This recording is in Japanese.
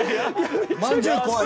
「まんじゅうこわい」。